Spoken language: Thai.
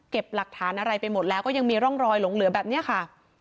หลักฐานอะไรไปหมดแล้วก็ยังมีร่องรอยหลงเหลือแบบนี้ค่ะ